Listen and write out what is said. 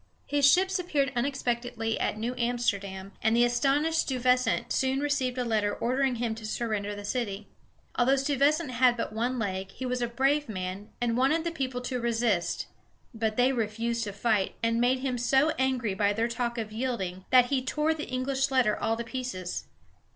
His ships appeared unexpectedly at New Amsterdam, and the astonished Stuyvesant soon received a letter ordering him to surrender the city. Although Stuyvesant had but one leg, he was a brave man, and wanted the people to resist. But they refused to fight, and made him so angry by their talk of yielding that he tore the English letter all to pieces.